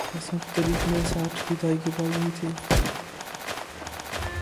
پاکستان کی تاریخ میں ساٹھ کی دہائی کے بعد، وہی تھے۔